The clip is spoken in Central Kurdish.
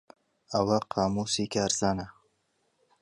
ئەوە قامووسی کارزانە.